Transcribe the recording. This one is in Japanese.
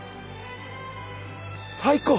最高！